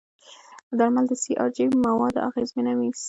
درمل د سي ار جي پي موادو اغېزې مخه نیسي.